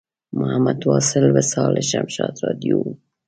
محمد واصل وصال له شمشاد راډیو و.